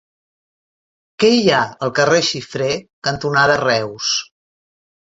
Què hi ha al carrer Xifré cantonada Reus?